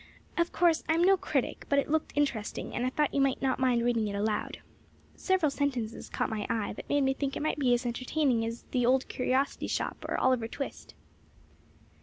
Of course, I am no critic, but it looked interesting, and I thought you might not mind reading it aloud. Several sentences caught my eye that made me think it might be as entertaining as 'Old Curiosity Shop,' or 'Oliver Twist.'"